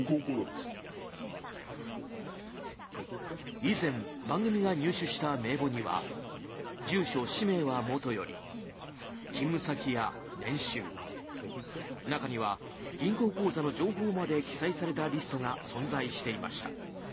以前、番組が入手した名簿には住所・氏名はもとより勤務先や年収中には銀行口座の情報まで記載されたリストが存在していました。